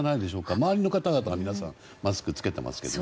周りの方々は皆さんマスク着けてますけど。